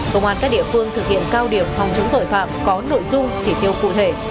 công an các địa phương thực hiện cao điểm phòng chống tội phạm có nội dung chỉ tiêu cụ thể